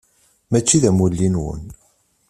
Mačči d amulli-nwen.